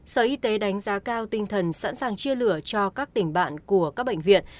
sở y tế đánh giá cao tinh thần sẵn sàng chia lửa cho các tỉnh bạn của các bệnh viện